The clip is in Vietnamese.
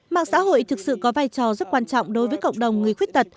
mạng xã hội thực sự có vai trò rất quan trọng đối với cộng đồng người khuyết tật